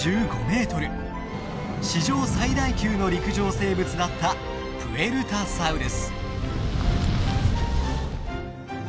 史上最大級の陸上生物だったプエルタサウルス。